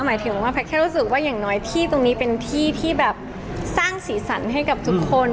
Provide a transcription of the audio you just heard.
หมายถึงว่าแพทย์แค่รู้สึกว่าอย่างน้อยที่ตรงนี้เป็นที่ที่แบบสร้างสีสันให้กับทุกคน